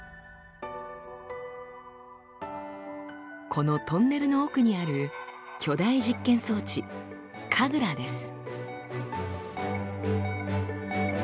このトンネルの奥にある巨大実験装置「ＫＡＧＲＡ」です。